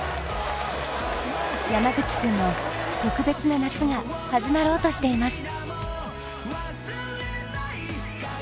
山口君の特別な夏が始まろうとしています。